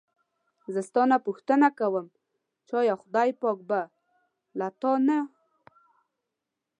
زه ستا نه پوښتنه کووم چې ایا خدای پاک به له تا نه.